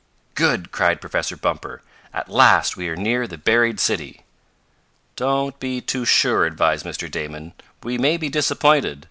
"Good!" cried Professor Bumper. "At last we are near the buried city." "Don't be too sure," advised Mr. Damon, "We may be disappointed.